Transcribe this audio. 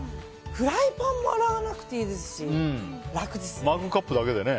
フライパンも洗わなくていいですし楽ですね。